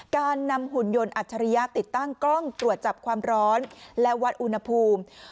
การนำหุ่นยนต์อัจฉริยะติดตั้งกล้องตรวจจับความร้อนและวัดอุณหภูมิ